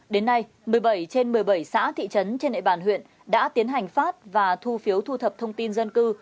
đến nay một mươi bảy trên một mươi bảy xã thị trấn trên địa bàn huyện đã tiến hành phát và thu phiếu thu thập thông tin dân cư